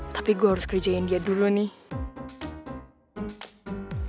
tapi gue harus kerjain dia dulu nih